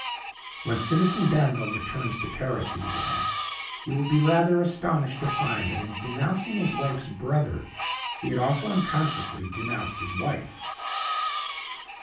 "When Citizen Danville returns to Paris," he began, "he will be rather astonished to find that in denouncing his wife's brother he had also unconsciously denounced his wife."